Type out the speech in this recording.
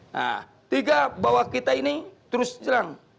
nah tiga bahwa kita ini terus hilang